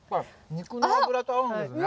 肉の脂と合うんだよね。